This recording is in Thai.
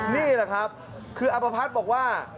นี่แหละครับคืออับอภัทรบอกว่า